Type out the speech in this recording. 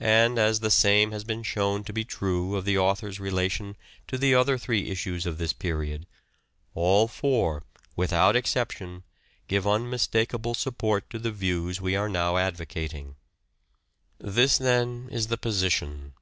And as the same has been shown to be true of the author's relation to the other three issues of this period, all four, without excep tion, give unmistakable support to the views we are now advocating. This, then, is the position.